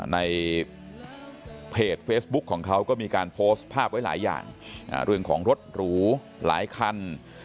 ในเพจเฟซบุ๊กของเขาก็มีการโพสต์ภาพไว้หลายอย่างเรื่องของรถหรูหลายคัน